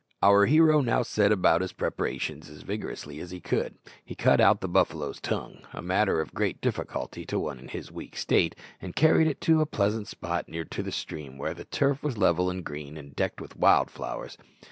Our hero now set about his preparations as vigorously as he could. He cut out the buffalo's tongue a matter of great difficulty to one in his weak state and carried it to a pleasant spot near to the stream where the turf was level and green, and decked with wild flowers.